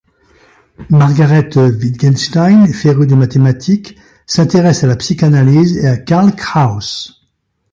Margarethe Wittgenstein est férue de mathématiques, s'intéresse à la psychanalyse et à Karl Kraus.